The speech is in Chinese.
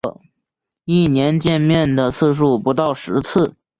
一年见面的次数不到十次